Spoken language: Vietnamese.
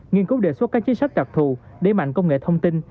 nghiên cứu đề xuất các chính sách đặc thù đẩy mạnh công nghệ thông tin